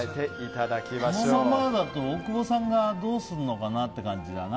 このままだと大久保さんがどうするのかなって感じだな。